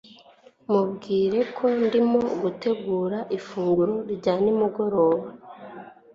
Mubwire ko ndimo gutegura ifunguro rya nimugoroba